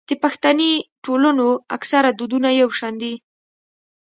د پښتني ټولنو اکثره دودونه يو شان دي.